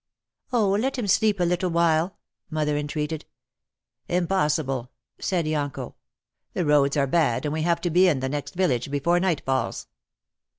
"Oh, let him sleep a little while," mother entreated. "Impossible," said Yonko, "the roads are bad and we have to be in the next village before night falls."